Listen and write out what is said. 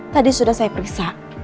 tadi sudah saya periksa